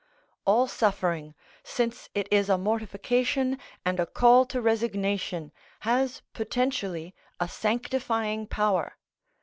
All suffering, since it is a mortification and a call to resignation, has potentially a sanctifying power.